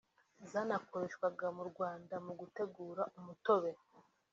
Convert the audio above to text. zanakoreshwaga mu Rwanda mu gutegura umutobe